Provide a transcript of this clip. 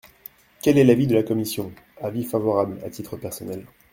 Quel est l’avis de la commission ? Avis favorable, à titre personnel.